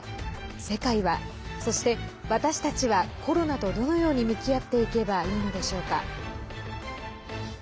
世界は、そして私たちはコロナとどのように向き合っていけばいいのでしょうか。